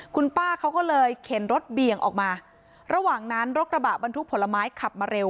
คุณป้าเขาก็เลยเข็นรถเบี่ยงออกมาระหว่างนั้นรถกระบะบรรทุกผลไม้ขับมาเร็ว